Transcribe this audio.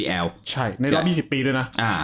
ในรอบ๒๐ปีด้วยนะ